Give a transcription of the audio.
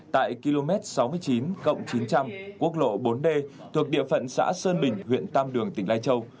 tại km sáu mươi chín chín trăm linh quốc lộ bốn d thuộc địa phận xã sơn bình huyện tam đường tỉnh lai châu